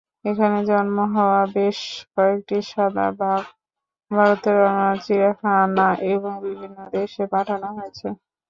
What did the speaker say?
এখানে জন্ম হওয়া বেশ কয়েকটি সাদা বাঘ ভারতের অন্যান্য চিড়িয়াখানা এবং বিভিন্ন দেশে পাঠানো হয়েছে।